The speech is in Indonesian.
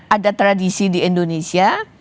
ada tradisi di indonesia